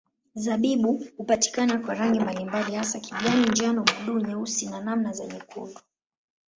Zabibu hupatikana kwa rangi mbalimbali hasa kijani, njano, buluu, nyeusi na namna za nyekundu.